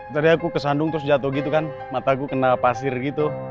tadi aku kesandung terus jatuh gitu kan mataku kena pasir gitu